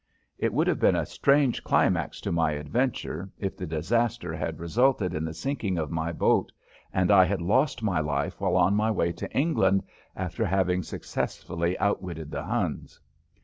It would have been a strange climax to my adventure if the disaster had resulted in the sinking of my boat and I had lost my life while on my way to England after having successfully outwitted the Huns.